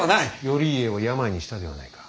頼家を病にしたではないか。